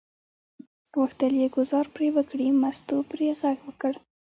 غوښتل یې ګوزار پرې وکړي، مستو پرې غږ وکړ.